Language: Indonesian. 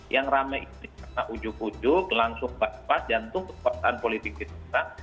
yang ramai ini karena ujuk ujuk langsung pas pas jantung kekuasaan politik kita